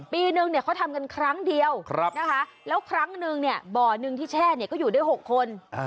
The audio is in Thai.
ปีนึงเขาทำกันครั้งเดียวนะคะแล้วครั้งนึงเนี่ยบ่อหนึ่งที่แช่ก็อยู่ได้๖คน